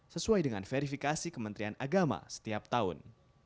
sesuai dengan verifikasi kementerian agama setiap tahun